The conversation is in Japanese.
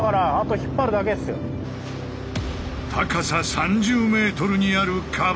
高さ３０ｍにある壁を。